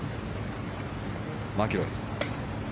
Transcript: マキロイ。